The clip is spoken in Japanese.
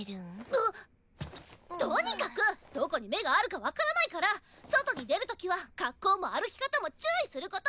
うっ！ととにかくどこに目があるか分からないから外に出る時は格好も歩き方も注意する事！